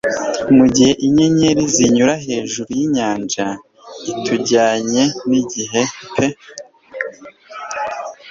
Mugihe inyenyeri zinyura hejuru yinyanja itajyanye n'igihe pe